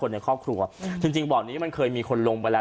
ในครอบครัวจริงจริงบ่อนี้มันเคยมีคนลงไปแล้ว